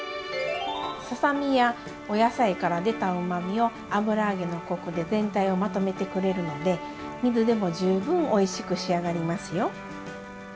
ささ身やお野菜から出たうまみを油揚げのコクで全体をまとめてくれるので水でも十分おいしく仕上がりますよ。